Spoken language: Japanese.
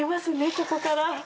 ここから。